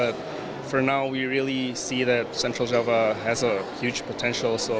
tapi untuk saat ini kita melihat bahwa central java memiliki potensi yang besar